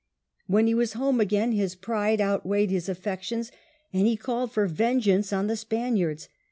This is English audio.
When he was home again his pride outweighed his affections, and he called for vengeance on the Spaniards.